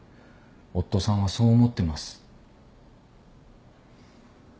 夫さんはそう思ってます。